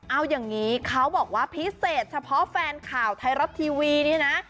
เอาอย่างนี้เขาบอกว่าพิเศษเฉพาะแฟนข่าวไทยรัฐทีวีนี่นะ